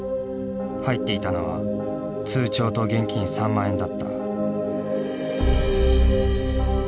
入っていたのは通帳と現金３万円だった。